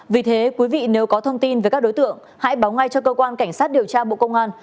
vì thế quý vị nếu có thông tin về các đối tượng hãy báo ngay cho cơ quan cảnh sát điều tra bộ công an